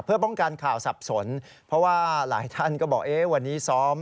เพื่อป้องกันข่าวสับสนเพราะว่าหลายท่านก็บอกเอ๊ะวันนี้ซ้อม